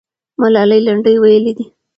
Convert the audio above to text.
ملالۍ لنډۍ ویلې دي.